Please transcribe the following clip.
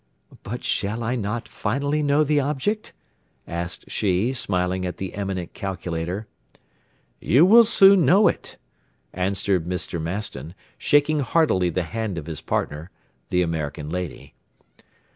"But shall I not finally know the object?" asked she, smiling at the eminent calculator. "You will soon know it," answered Mr. Maston, shaking heartily the hand of his partner the American lady.